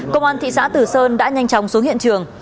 công an thị xã tử sơn đã nhanh chóng xuống hiện trường